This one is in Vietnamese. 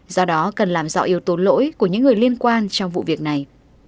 do đó cần làm rõ yếu tố lỗi của những người liên quan trong vụ việc này